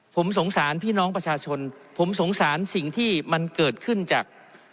ผมสงสารพี่น้องประชาชนผมสงสารสิ่งที่มันเกิดขึ้นจาก